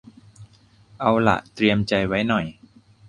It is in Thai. เอาหละเตรียมใจไว้หน่อย